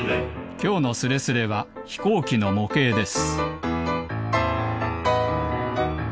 きょうのスレスレはひこうきのもけいです